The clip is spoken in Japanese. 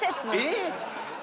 えっ⁉